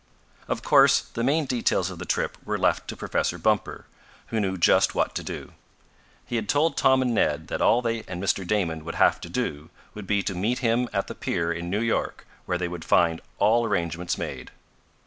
Of course, the main details of the trip were left to Professor Bumper, who knew just what to do. He had told Tom and Ned that all they and Mr. Damon would have to do would be to meet him at the pier in New York, where they would find all arrangements made.